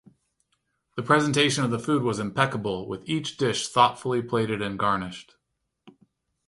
The presentation of the food was impeccable, with each dish thoughtfully plated and garnished.